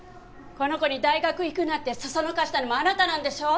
この子に大学行くなってそそのかしたのもあなたなんでしょ！？